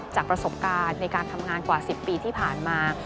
จากประสบการณ์ในการทำงานกว่า๑๐ปีที่ผ่านมา